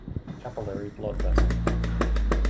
Capillary blood vessel.